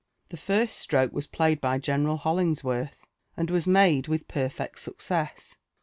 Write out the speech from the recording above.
The first stroke was played by General Holingsworth, and wa» made with perfect success.